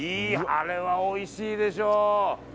あれはおいしいでしょう。